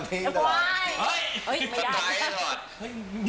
นี่ควรไปรึ